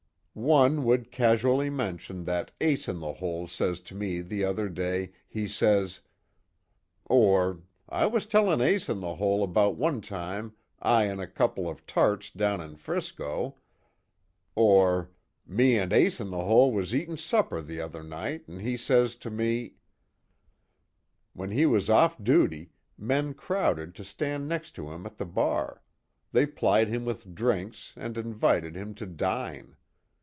One would casually mention that "Ace In The Hole says to me, the other day, he says " Or, "I was tellin' Ace In The Hole about one time I an' a couple of tarts down in 'Frisco " Or, "Me an' Ace In The Hole was eatin' supper the other night, an' he says to me " When he was off duty, men crowded to stand next to him at the bar, they plied him with drinks, and invited him to dine.